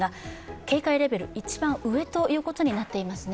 警戒レベル一番上ということになっています、。